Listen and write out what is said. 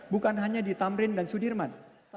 bukan hanya di tamrin dan sudirman